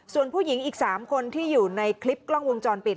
ส่วนผู้หญิงอีก๓คนที่อยู่ในคลิปกล้องวงจรปิด